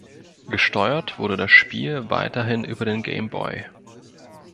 Gesteuert wurde das Spiel weiterhin über den Game Boy.